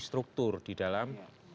struktur di dalam